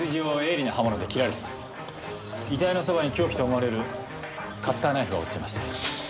遺体のそばに凶器と思われるカッターナイフが落ちてました。